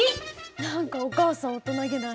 何かお母さん大人げない。